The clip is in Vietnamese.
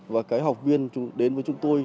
và cái học viên đến với chúng tôi